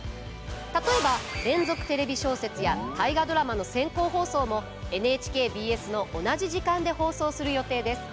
例えば「連続テレビ小説」や「大河ドラマ」の先行放送もＮＨＫＢＳの同じ時間で放送する予定です。